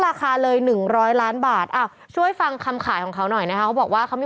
ทีเขาก็จะก้อนเบลอสามสิบกิโลกรัม